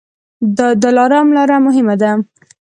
د دلارام لاره مهمه ده